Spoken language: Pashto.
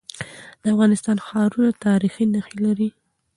د افغانستان ښارونه تاریخي نښي لري.